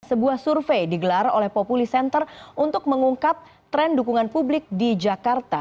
sebuah survei digelar oleh populi center untuk mengungkap tren dukungan publik di jakarta